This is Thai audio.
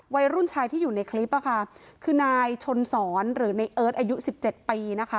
วัยรุ่นชายที่อยู่ในคลิปอะค่ะคือนายชนสอนหรือในเอิร์ทอายุสิบเจ็ดปีนะคะ